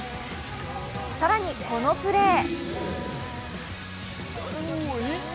更に、このプレー。